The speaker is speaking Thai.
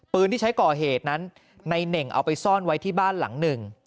ปืนที่ใช้ก่อเหตุนั้นในเน่งเอาไปซ่อนไว้ที่บ้านหลังหนึ่ง